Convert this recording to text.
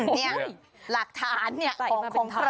เนี่ยหลักฐานเนี่ยของเธอ